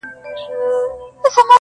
• د چنار د وني سیوري ته تکیه سو -